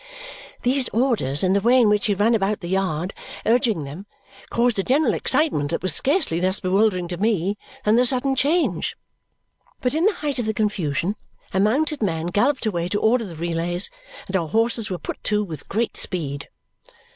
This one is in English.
These orders and the way in which he ran about the yard urging them caused a general excitement that was scarcely less bewildering to me than the sudden change. But in the height of the confusion, a mounted man galloped away to order the relays, and our horses were put to with great speed.